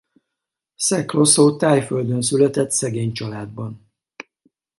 Sek Loso Thaiföldön született szegény családban.